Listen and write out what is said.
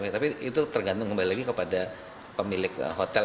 tapi itu tergantung kembali lagi kepada pemilik hotel